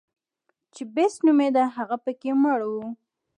چې بېسټ نومېده هغه پکې مړ و.